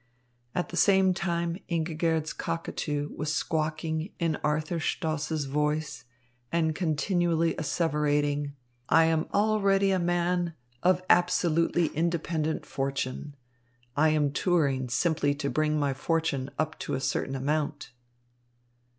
At the same time Ingigerd's cockatoo was squawking in Arthur Stoss's voice and continually asseverating: "I am already a man of absolutely independent fortune. I am touring simply to bring my fortune up to a certain amount."